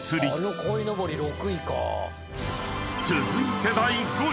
［続いて第５位］